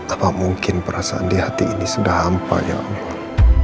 apa mungkin perasaan di hati ini sudah hampa ya allah